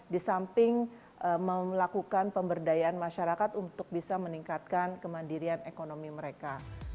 di samping melakukan pemberdayaan masyarakat untuk bisa meningkatkan kemandirian ekonomi mereka